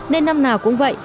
nên năm nào cũng vậy